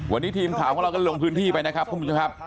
วันนี้ทีมข่าวของเราก็ลงพื้นที่ไปนะครับทุกผู้ชมครับ